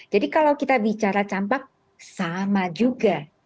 jadi kalau kita bicara campak sama juga